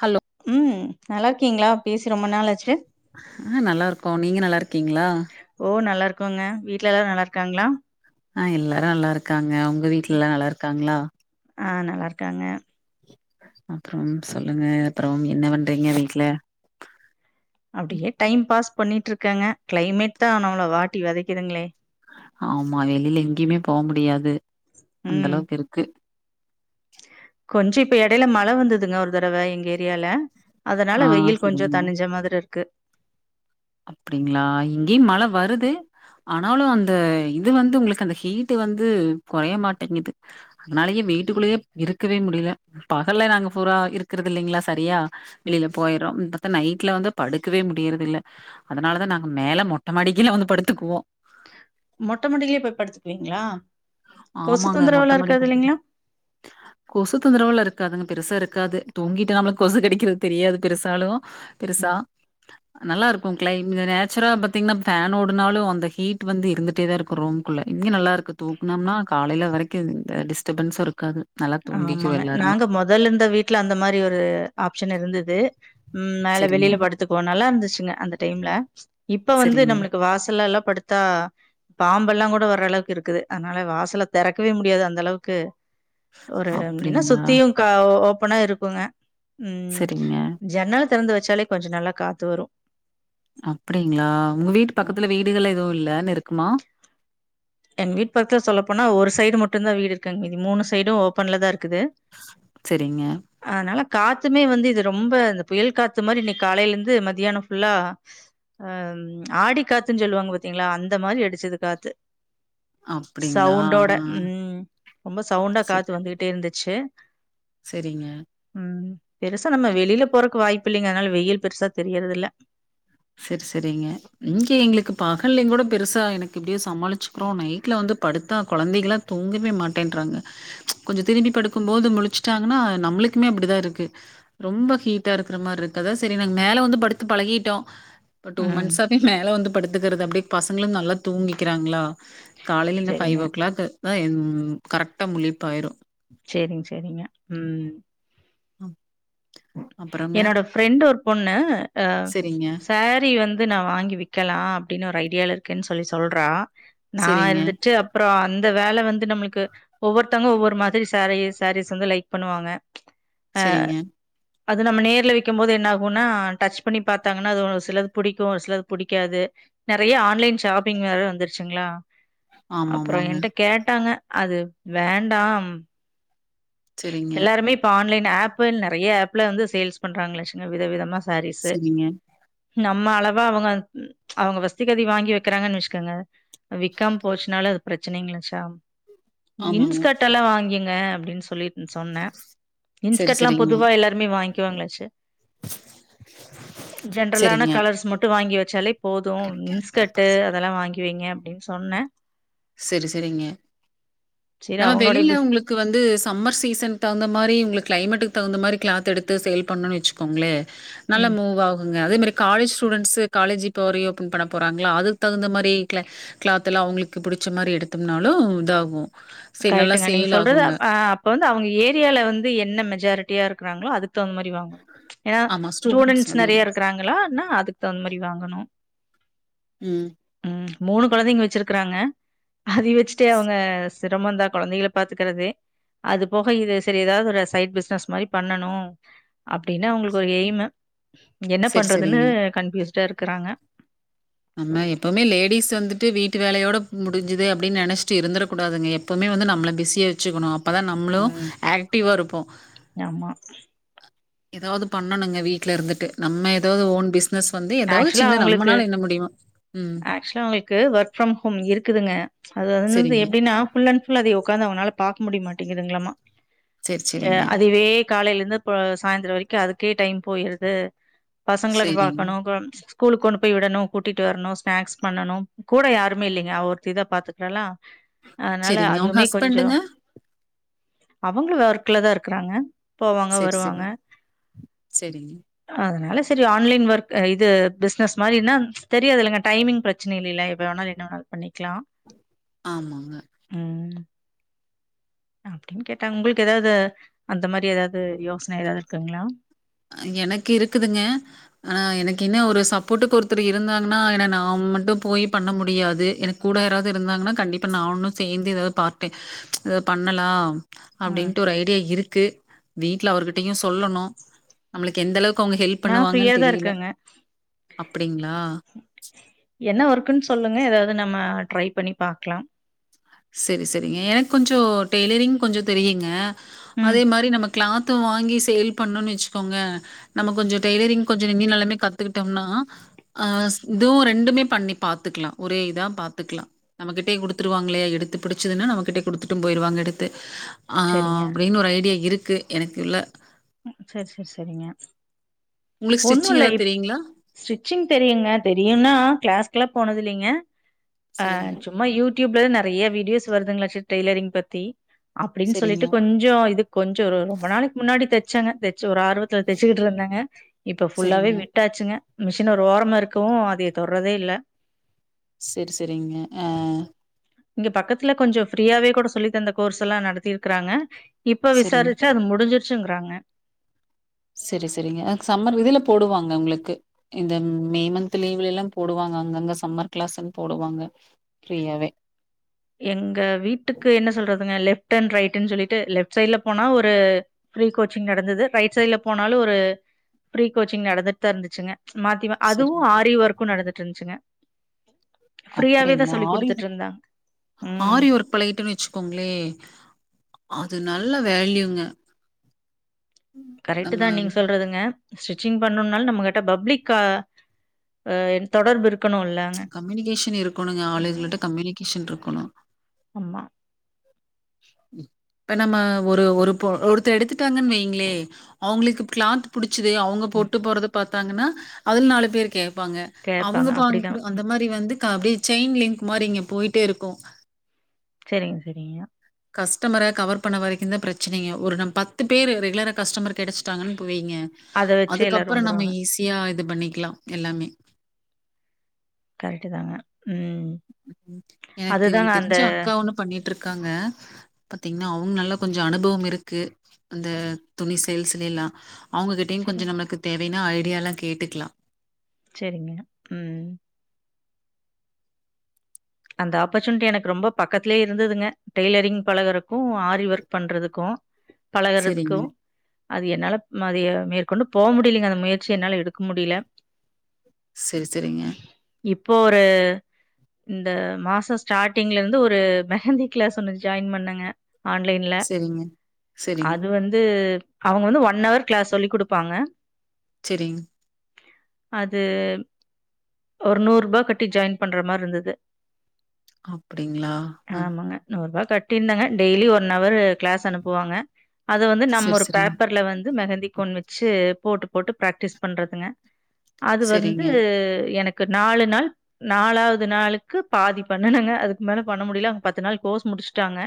ஹல் உ நல்லார்க்கீங்க்ளா அ நல்லார்கோ நீங்க நல்லார்க்கீங்களா க்கோங்க வீட்ல எல்லாரு நல்லார்க்காங்ளா அ எல்லாரு நல்லாருக்காங் ங்க உங்க வீட்ல எல்லா நல்லா இருக்காங்களா அ நல்லார்க்காங்க அப்புறம் சொல்லுங்க அப்பறம் என்ன பண்றீங்க வீட்ல அப்டியே டைம் பாஸ் பண்ணிட்டு இருக்கங்க கிளைமேட்தா நம்ள வாட்டி வதைக்குதுங்களே ஆமா வெளில எங்கியுமே போமுடியாது அந்தளவுக்கிருக்கு கொஞ்ச இப்ப எடையில மழ வந்ததுங்க ஒரு தரவ எங்க ஏரியால அதனால ஆ வெயில் கொஞ்சோ தனிஞ்ச மாதிரி இருக்கு அப்பிடிங்களா இங்கியு மழ வருது ஆனாலு அந்த இது வந்து ஒங்களுக்கு அந்த ஹீட்டு வந்து கொறைய மாட்டேங்குது அனாலயே வீட்டுக்குள்ளேயே இருக்கவே முடில பகல்ல நாங்க ஃபூரா இருக்றதில்லீங்களா சரியா வெளில போயறோ ம் பாத்தா நைட்ல வந்தா படுக்கவே முடியறதில்ல அதனாலதா நாங்க மேல மொட்டமாடிக்கீழ வந்து படுத்துக்குவோ மொட்டமாடிலியே போய் படுத்துக்வீங்களா ஆமாங்க மொட்டைமாடி வந்து கொசு தொந்தரவெல்லா இருக் க்காதுங்க பெருசா இருக்காது தூங்கிட்ட நம்ள கொசு கடிக்றது தெரியாது பெருசாலு பெருசா ம் நல்லார்க் கிளைம் த நேச்சுரா பத்தீங்கன்னா ஃபேன் ஓடுனாலு அந்த ஹீட் வந்து இருந்துட்டேதா இருக்கு ரூம்க்குள்ள இங்க நல்லாருக்கு தூங் ந்தம்னா காலைல வரைக்கு இந்த டிஸ்டபன்ஸு இருக்காது நல்லா தூங்கிக்குவோம் ஆமாங்க எல்லாருமே. நாங்க மொதல்லந்த வீட்ல அந்த மாரி ஒரு ஆப்சன் ன் இருந்தது ம் மேல சரிங்க, வெளில படுத்துக்குவோ நல்லா இருந் ச்சிங்க அந்த டைம்ல இப்ப வந்து சரிங்க. நம்ளுக்கு வாசல் எல்லா படுத்தா பாம்பெல்லா கூட வர அளவுக்கு இருக்குது அனால வாசல தெறக்கவே முடியாது அந்த அளவுக்கு ஒரு என்னா அப்படிங்களா? சுத்தியுக ஓ ப்பனா இருக்குங்க ம் சரிங்க. ஜன்னல் திறந்து வச்சாலே கொஞ்ச நல்லா காத்து வரு அப்பிடிங்களா உங்க வீட்டு பக்கத்துல வீடுகள் எதுவு இல்ல நெருக்காம எங் வீட் பக்கத்துல சொல்ல போனா ஒரு சைடு மட்டுதா வீடு இருக்ங் மீதி மூனு சைடு ஓப்பன்லதா இருக் க்குது சரிங்க. ஆ நல்ல காத்துமே வந்து இது ரொம்ப இந்த புயல் காத்து மாரி இன்னைக்கு காலையில இருந்து மதியானம் ஃபுல்லா அ ஆடி காற்றுன்னு சொல்லுவாங்க பாாரத்தீங்களா அந்த மாரி அடிச்சது காத்து அப்படிங்களா? சவுண்டோட ஆ. ம் ரொம்ப சவுண்டா காற்றுவந்துகிட்டு இருந்துச் செ சேரிங்க ம் பெருசா நம்ம வெளில போறக்கு வாய்ப் பிள்ளைங்கனால வெயில் பெருசா தெரியறது இல்ல சேரி சேரிங்க இங்க எங்களுக்கு பகல்லு கூட பெருசா எனக்கு இப்படியோ சமாளிச்சுக்கிறோ நைட்ல வந்து படுத்தா கொழந்தைங்கல்லா தூங்கவே மாட்டேன்றாங்க கொஞ்சோ திரும்பி படுக்கும் போது முளிச்சுட்டாங்கன்னா நம்மளுக்குமே அப்படிதா இருக்கு ரொம்ப ஹீட்டா இருக்கிற மாரி இருக்குா சேரி நாங்க மேல வந்து படுத்து பழகிட்டோ இப்ப டூ ம் மந்த்ஸ்தவே மேல வந்து படுத்துக்கிறது அப்டியே பசங்களு நல்லா தூங்கிக்கிறாங்களா காலையில என்ன சரிங்க. ஃபைவ் ஓ கிளாக் அதா என் கரெக்ட முழிப்பாயிரு சேரிங்க சேரிங்க ம் அ என்னோட ஃப்ரெண்ட் ஒரு பொண்ணு அ சரிங்க, சாரி வந் அது நா வாங்கி விற்றகலா அப்படின்னு ஒரு ஐடியால இருக்குன்னு சொல்லி சொல்றா நா சரிங்க, இருந்துட்டு அப்புறோ அந் இந்த வேலை வந்து நம்மளுக்கு ஒவ்வொருத்தவங்க ஒவ்வொரு மாதிரி சாரீஸ் சாரீஸ் வந்து லைக் பண்ணுவாங்களா சேரிங்க அது நம்ம நேர்ல விற்கும் போது என்ன ஆகுனா டச்சு பண்ணி பார்த்தாங்கன்னா அது ஒரு சிலது பிடிக்கு ஒரு சிலது பிடிக்காது நெறைய ஆன்லைன் ஷாப்பிங் வேற வந்துருச்சுங்களா அப்புறோ ஆமாமாங்க. என்ட்ட கேட்டாங்க அது வேண்டாம் சரிங்க, எல்லாருமே இப்ப ஆன்லைன் ஆப்பள் நெறைய ஆப்ல வந்து சேல்ஸ் பண்றாங்கங்க [unintelligible] வித விதமா சாரீஸு சரிங்க. நம்ம அளவா அவங்க அவங்க [unintelligible] வாங்கி வைக்கிறாங்கன்னு வச்சக்கோங்க அ விக்காம் போச்சுனால அது பிரச்சனைங்களா ஷாம் ஆமாங்க. இன்ஸ்கட் எல்லா வாங்கிங் அ அப்டின் [unintelligible] சொன்ன சரி, இன்ஸ்கர்ட்லா சரிங்க. பொதுவா எல்லாருமே வாங்கிவாங்களாச்சு ஜென்ரலான சரிங்க. கலர்ஸ் மட்டு வாங்கி வெ சலைப் போதும் கிடைக்காது. இன்ஸ்கட்டு அதெல்லா வாங்கி வெய்ங்க அப்டின்னு சொன்னே செரி செரிங்க சரி நம்ம அவங்களுடைய வெளில பிஸ் ஓங்களுக்கு வந்து சம்மர் சீசனுக்கு தகுந்த மாரி உங்ளுக்கு கிளைமேட்டுக்கு தகுந்த மாரி கிளாத்தெடுத்து சேல் பண்ணோன்னு வெச்சுக்கோங்ளே நல்லா ம். மூவ் ஆகுங்க அதே மாரி காலேஜ் ஸ்டூடென்ஸ் காலேஜ் இப்பவரியோ ஓபன் பண்ண போறாங்களா அதுக்கு தகுந்த மாரி கிலாத்தெல்லா அவுங்களுக்கு புடிச்ச மாரி எடுத்தோம்னாலு இதாகு கரெட்டுங்க நீங்க சொல்றது ஆ அப்ப வந்து அவுங்க ஏரியால வந்து என்ன மெஜாரிட்டியா இரு குராங்ளோ அதுக்கு தகுந்த மாரி வாங்கனு ஏனா ஆமா, ஸ்டூடண்ட்ஸ் ஸ்டூடென்ஸ் அதிகமா நெறிய இருக்கு. இருக்குறாங்களா னா அதுக்கு தகுந்த மாரி வாங்கனு ம். உம் மூனு கொழந்தைங்க வெச்சிருக்குறாங்க அத வெச்சுட்டே அவுங்க சிரமுன்தா கொழந்தைகள பாத்துக்கறது அது போக இது செரி ஏதாவது ஒரு சைட் பிசினஸ் மாரி பண்ணனு அப்டின்னு அவுங்களுக்கு ஒரு எய்மு என்ன சரி, பண்றதுன்னு சரிங்க. கன்ப்யூஸ் ட இருக்குறாங்க நம்ம எப்பவுமே லேடிஸ் வந்துட்டு வீட்டு வேலையோட முடிஞ்சுது அப்டின்னு நெனச்சுட்டு இருந்துட கூடாதுங்க எப்பவுமே வந்து நம்மள பிஸியா வெச்சுக்கணு அப்பதா நம்ளு ம் ஆக்டிவா இருப்போ ஆமா. எதாவது பண்ணணுங்க வீட்லருந்துட்டு நம்ம ஏதாவது ஓன் பிஸ் ஆக்சுவலா அவுங்களுக்கு ம். - ஆக்சுவலா அவுங்களுக்கு ஒர்க் ப்ரம் ஹோம் இருக்குதுங்க அது வந்து சரிங்க. எப்டினா ஃபுல் அன்ட் ஃபுல் அத ஒக்காந்து அவுங்கனால பாக்க முடிய மாட்டேங்குதுங்களாமா சரி, ய சரிங்க. அதுவே காலேல- ந்து இப்ப சாய்ந்திர வெரிக்கு அதுக்கே டைம் போய்டுது பசங்களுக்கு பா சரிங்க. [unintelligible] ஸ்கூலுக்கு கொண்டு போய் விடணு கூட்டிட்டு வரணு ஸ்நாக்ஸ் பண்ணனு கூட யாருமே இல்லிங்க அவ ஒருத்திதா பாத்துக்குறாலா செரிங்க உங்க ஹஸ்பெண்டுங்க அவுங்களு வொர்க்குல தா இருக்குறாங்க போவாங்க சரி, சரி. வருவாங்க சரிங்க. அதனால சரி ஆன்லைன் வர்க் அ இது பிஸ்னஸ் மாரின்னா தெரியது இல்லைங்க டைமிங் பிரச்சன இல்லில எப்ப வேணாலு என்ன வேணாலு பண்ணிக் க்கலா ஆமாங்க. ம் அப்பிடின் கேட்டாங்க உங்களுக்கு எதாவது அந்த மாரி எதாவது யோசன எதாவது இருக்குங்களா எனக்கு இருக்குதுங்க ஆனா எனக்கு என்ன ஒரு சப்போர்ட்டுக்கு ஒருத்தர் இருந்தாங்கன்னா என்ன நா மட்டு போய் பண்ண முடியாது எனக்கு கூட யாராவது இருந்தாங்கன்னா கண்டிப்பா நானு சேந்து எதாது பார் டை எத பண்ணலா ம் அப்பிடின்ட்டு ஒரு ஐடியா இருக்கு வீட்ல அவர்கிட்டயு சொல்லனு நம்மளுக்கு எந்த அளவுக்கு அவங்க ஹெல்ப் நான் ஃப்ரீயா பண்ணுவாங்கன்னு தான் தெரியல இருக்கேங்க அப்பி என்ன ஒர்க்குன் சொல்லுங்க எதா து நம்ம ட்ரை பண்ணி பாக்கலா சரி சரிங்க எனக் கொஞ்சோ டேயிலரிங் கொஞ்சோ தெரியுங்க ம். அதே மாரி நமக் கிளாத்து வாங்கி சேல் பண்ணுன் வச்சிகோங்க நம கொஞ்சோ டேய்லரிங் கொஞ்சோ நினினாலுமே காத்துகிட்டம்னா ஆ இது ரெண்டுமே பண்ணி பாத்துக்கலா ஒரே இதா பாத்துக்கலா நமகிட்டே குடுத்துருவாங்களே எடுத்து புடிச்சதுன்ன நம்ம கிட்ட குடுத்துட்டு போயிடுவாங்க எடுத்து ஆ சரிங்க. அப்பிடின் ஒரு ஐடியா இருக் க்கு எனக்குள்ள ம் சரி சரி சரிங்க உங்களுக்கு ஒன்னு ஸ்டிச்சிங் இல்ல ஏதாவது இப் தெரியுங்களா? ஸ்டிச்சிங் தெரியுங்க தெரியுனா கிளாஸ் க்ல்ல போனது இல்லைங்க ஆ சரிங்க, சும்மா யூ டியூப்ல நெறைய வீடியோஸ் வருதுங்களா டெய்லரிங்கி பத்தி அப்பிடின் சரிங்க, சொல்லிட்டு கொஞ்சோ இது கொஞ்சோ ஒரு ரொம்ப நாளைக்கு முன்னாடி தைச் ச்சங்க தெ ச்சி ஒரு ஆர்வத்துல தச்சிகிட்டு இருந்தங்க இப்ப ஃபுல்லாவே சரிங்க. விட்டாச்சிங்க மிஷின் ஒரு ஓரமா இருக்கவு அதே தொடர்றதே இல்ல செர் செரிங்க ஆ இங்க பக்கத்துல கொஞ்சோ ஃப்ரீயாவே கூட சொல்லி தந்த கோர்ஸ் எல்லா நடத்திருக்கறாங்க இப்ப சரிங்க. விசாரிச்சா அது முடிஞ்சி ச்சிங்கிறாங்க சரி சரிங்க அ சம்மர் இதுல போடுவாங்க உங்களுக்கு இந்த மே மந்த் லீவுல எல்லா போடுவங்க அங்க அங்க சம்மர் கிளாஸ்னு போடுவாங்க ஃப்ரீயாவே எங்க வீட்டுக்கு என்ன சொல்றதுங்க லெ ப்ட்டன் ரைட்ன்னு சொல்லிட்டு லெப்ட் சைடல போனா ஒரு ஃப்ரீ கோச்சிங் நடந்தது ரைட் சைட்ல போனாலு ஒரு ஃப்ரீ கோச்சிங் நடந்துட்டுதா இருந்துச்சிங்க மாத்திமா சரி அதுவு ஆரி ஒர்க் க்கு நடந்துட்டு இருந்துச்சுங்க ஃப்ரீயாவே தா அப்படிங்களா சொல்லி் ஆரி குடுத்துட்டு இருந்தாங்க ம். ஆரி ஒர்க் பழகிட்டோன்னு வச்சுக்கோங்களே அது நல்ல வேல்யூங்க கரெக்ட்டு நம்ம தா நீங்க சொல்றதுங்க ஸ்டிச்சிங் பண்ணும்னாலு நம்ம கிட்ட பப்ளிக் அ தொடர்பு இருக்கு கம்யூனிகேஷன் இருக்கணுங்க ம். ஆம். ஆளுகல்ட்ட கம்யூனிகேஷன் இருக்கணு ஆமா. இப்ப நம்ம ஒரு ஒரு ஒருத்தர் எடுத்துட்டாங்கன் வைங்களே அவுங்களுக்கு கிளாத் புடிச்ச புடிச்சது அவுங்க ம். போட்டு போறத பாத்து குடுத்தாங்கன்னா அதுல நாலு பேரு கே இருப்பாங்க கேட்பாங்க. அவுங்க அப்படிதான். பாங்க அந்த ம். மாதிரி வந்து அக்கா அப்டியே செயின் லிங்க் மாரி இங்க போயிட்டே இருக்கு செரிங்க செரிங்க கஸ்டமர கவர் பண்ண வரைக்கு தா பிரச்சனையே ஒரு ந பத்து பேரு ரெகுலரா கஸ்டமர் கெடச்சுட்டாங்கன் இப்போ வைங்க அத வச்சு எல்லாரும் அதுக்கப்புறோ நம்ம வந்துருவாங்க. ஈஸியா இது பண்ணிக்லா எல்லாமே கரெக்ட்டு தாங்க ம். எனக்கு அதுதாங்க அந்த தெரிஞ்ச அக்கா ஒன்னு பண்ணிட்டு இருக் க்காங்க பாத்தீங்கனா அவுங்க நல்ல கொஞ்சோ அனுபவம் இருக்கு அந்த துணி சேல்ஸ்ல எல்லா அவுங்ககிட்டயு கொஞ்சோ சரிங்க, நமக்கு தேவயானா அப்டியெல்லா கேட்டுக்கலா செரிங்க உம் அந்த ஆப்பர்ச்சுனிட்டி எனக்கு ரொம்ப பக்கத்தலயே இருந்ததுங்க டெய்லரிங் பழகுறக்கு ஆரி ஒர்க் பண்றதுக்கு பழகுறதுக்கு சரிங்க. அது என்னால மதிய மேற்க கொண்டு போக முடியலங்க அந்த முயற்சி என்னால எடுக்க முடியல செரி செரிங்க இப்போ ஒரு இந்த மாச ஸ்டாட்டிங்ல இருந்து ஒரு மெஹந்தி கிளாஸ் ஒன்னு ஜாயின் பண்ணேங்க ஆன்லைன்ல சரிங்க. சரிங்க. அது வந்து அவுங்க வந்து ஒன் அவர் கிளாஸ் சொல்லி குடுப்பாங்க செரிங்க அது ஒரு நூறு ரூபா கட்டி ஜாயின் பண்ற மாரி இருந்தது அப்டிங்ளா அ இப்டி இருந்தாங்க டெய்லி ஒன் அவரு கிளாஸ் அனுப்புவாங்க அத வந்து நம்ம சரி, ஒரு சரிங்க. பேப்பர்ல வந் து மெகந்தி கோன் வச்சு போட்டு போட்டு பிராக்டிஸ் பண்றதுங்க அது வந்து சரிங்க. எனக் கு நாலு நாள் நாலாவது நாளு க்கு பாதி பண்ணுனங்க அதுக்கு மேல பண்ண முடியல அவங்க பத்து நாள் கோர்ஸ் முடிச்சுட்டாங்க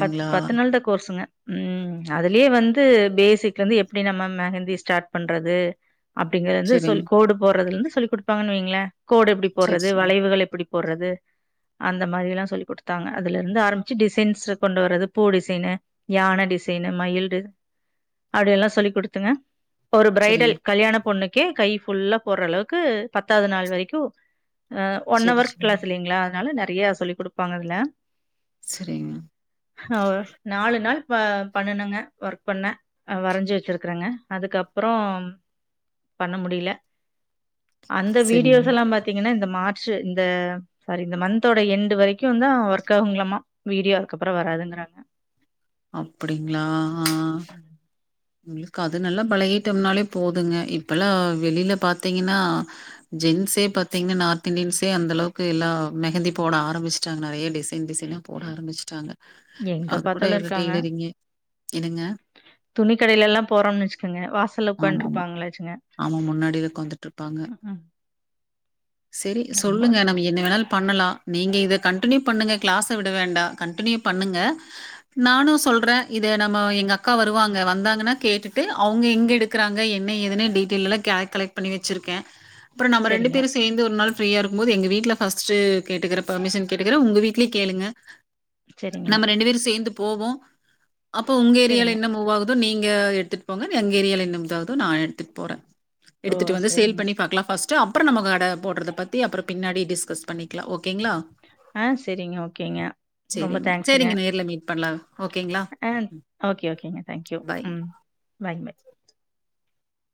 பத் பத்து நாள்தா கோர்ஸ்ங்க ம் அதுலயே வந்து பேசிக்ல இருந்து எப்டி நம்ம மெஹந்தி ஸ்டார்ட் பண்றது அப்டிங்கறது வந்து சொல் சரிங்க. கோடு போட்றதுல இருந்து சொல்லி குடுப்பாங்கன்னு வைங்களே கோடு எப்டி போட்ற சரி, து சரிங்க. வளைவுகள் எப்பிடி போடுறது அந்த மாரி எல்லா சொல்லி் குடுத்தாங்க அதுல இருந்து ஆரம்பிச்சு டிசைன்ஸ் கொண்டு வர்றது பூ டிசைனு யான டிசைனு மயில் டி அப்டி எல்லா சொல்லிக் குடுத்துங்க ஒரு பிரைடல் சரிங்க. கல்யாண பொண்ணு க்கே கை ஃபுல்லா போட்ற அளவுக்கு பத்தாவது நாள் வரைக்கு ஆ ஒன் சரி, அவர் சரிங்க. கிளாஸ் இல்லைங்ளா அதனால நெ றையா சொல்லி் குடுப்பாங்க அதுல சரிங்க, அப்றோ நாலு நாள் ப பண்ணனுங்க ஒர்க் பண்ண ஆ வரைஞ்சு வச்சிருக்கறேங்க அதுக்கப்புறோ பண்ண முடியல அந்த சரிங்க. வீடியோஸ் எல்லா பாத்தீங்கன்னா இந்த மார்ச்சு இந்த சாரி இந்த மந்த்தோட எண்டு் வரைக்குந்தா ஒர்க் ஆகுங்களாமா வீடியோ அதுக்கப்புற வராதுங்கறாங்க அப்பிடிங்களா ஆ உங்களுக்கு அது நல்லா பழகிட்டோம்னாலே போதுங்க இப்ப எல்லா வெளில பார்த்தீங்கன்னா ஜென்ஸே பாத்தீங்கன்னா நார்த் இன்டியன்ஸே அந்த அளவுக்கு எல்லா மெகந்தி போட ஆரம்பிச்ட்டாங்க நெறைய டிசைன் டிசைனா போட ஆரம்பிச்சுட்டாங்க எங்க அது கூட பாத்தாலு இது இருக்காங்க டெய்லரிங்கி என்னங்க கடைலல்லா போறோன்னு வச்சுக்கங்க வாசல்ல ஆமாமா. உக்கான்ட்ருப்பாங்களாச்சுங்க ஆமா. முன்னாடில ம் ம் செரி சொல்லுங்க நம்ம என்ன வேண்ணாலு பண்ணலா நீங்க இத கண்டினுயூ பண்ணுங்க கிளாச விட வேண்டா கன்டினுயு பண்ணுங்க நானு சொல்றே இத நம்ம எங்க அக்கா வருவாங் க வந்தாங்கன்னா கேட்டுட்டு அவங்க எங்க எடுக்கிறாங்க என்ன ஏதுன்னு டீட்டைல் எல்லா க கலெக்ட் பண்ணி வச்சிருக்கே அப்புற நம்ம ரெண்டு சரிங்க பேரு சேந்து ஒரு நாள் ஃப்ரீயா இருக்கும்போது எங்க வீட்ல ஃபஸ்ட்டு கேட்டுக்கிற பெர்மிஷன் கேட்டுக்கற உங்க வீட்லயு கேளுங்க சரிங்க நம்ம ரெண்டு பேரு சேந்து போவோ அப்போ உங்க ஏரியால சரிங்க என்ன மூவாகு து நீங்க எடுத்துட்டு போங்க எங்க ஏரியால நன்னதாவதோ நா எடுத்துட்டு போறே ஓ எடுத்துட்டு வந்து சேல் சரிங்க பண்ணி பாக்லா ஃபஸ் ட்ரோ அப்புறோ நம்ம கட போடுறத பத்தி அப்புறப பின்னாடி டிஸ்கஸ் பண்ணிக்கலா ஓக் ஆ சரிங்க ஓகேங்க ரொம்ப சரிங்க. தேங்க்ஸ்ங்க சரிங்க. நேர்ல மீட் பண்ணலாம். ஓகேங்களா? ஆ ஓகே ஓகேங்க தேங்க்யூ பை. உ பாய் பாய்